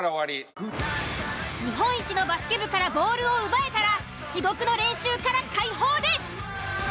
日本一のバスケ部からボールを奪えたら地獄の練習から解放です。